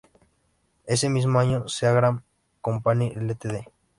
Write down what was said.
Ese mismo año, Seagram Company Ltd.